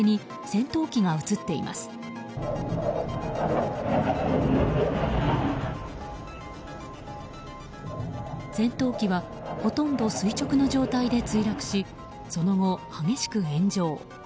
戦闘機はほとんど垂直な状態で墜落し、その後、激しく炎上。